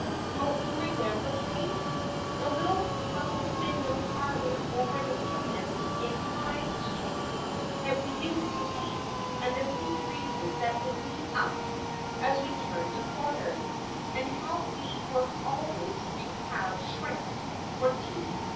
Don't you remember, Wave, the little bow window parlour over the tinman's in High Street that we were to take, and the sea breezes that would meet us as we turned the corner, and how we were always to have shrimps for tea?"